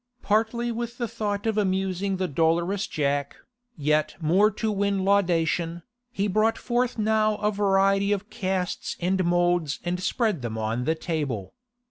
Partly with the thought of amusing the dolorous Jack, yet more to win laudation, he brought forth now a variety of casts and moulds and spread them on the table.